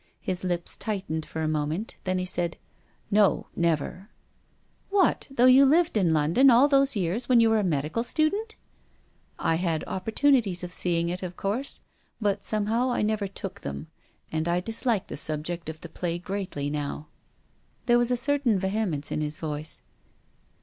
His lips tightened for a moment, then he said :" No, never !"" What ! Though you lived in London all those years when you were a medical student ?"" I had opportunities of seeing it, of course, but somehow I never took them — and I dislike the subject of the play greatly now." THE DEAD CHILD. IQI There was a certain vehemence in his voice.